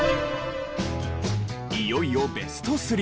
いよいよベスト３。